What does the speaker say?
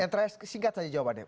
entra s singkat saja jawabannya